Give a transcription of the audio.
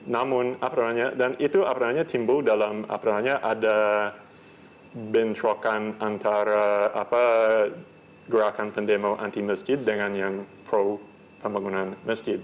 namun itu timbul dalam bentrokan antara gerakan pendemo anti masjid dengan yang pro pembangunan masjid